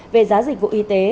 về giá dịch vụ y tế